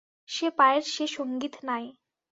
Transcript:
সে পায়ের সে সংগীত নাই।